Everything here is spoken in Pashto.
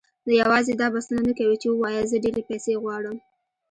يوازې دا بسنه نه کوي چې وواياست زه ډېرې پيسې غواړم.